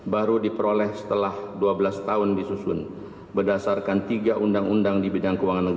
baru diperoleh setelah dua belas tahun